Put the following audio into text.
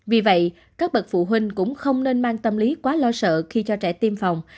vì vậy các bậc phụ huynh cũng không nên mang tâm lý quá lo sợ khi cho trẻ tiêm phòng